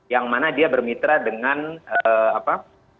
yang mana dia bermitra dengan apa